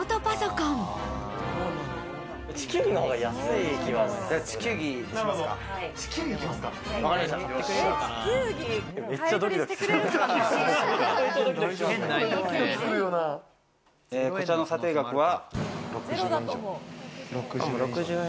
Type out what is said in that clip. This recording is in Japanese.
こちらの査定額は。